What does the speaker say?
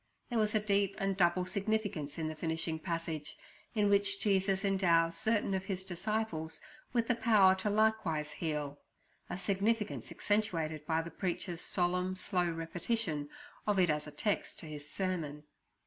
There was a deep and double significance in the finishing passage, in which Jesus endows certain of His disciples with the power to likewise heal—a significance accentuated by the preacher's solemn, slow repetition of it as a text to his sermon.